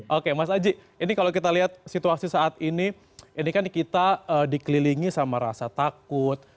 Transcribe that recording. oke mas aji ini kalau kita lihat situasi saat ini ini kan kita dikelilingi sama rasa takut